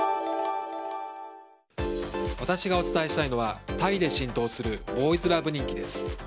私がお伝えしたいのはタイで浸透するボーイズラブ人気です。